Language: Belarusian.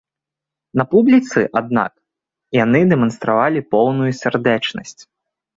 На публіцы, аднак, яны дэманстравалі поўную сардэчнасць.